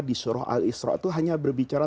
di surah al israq itu hanya berbicara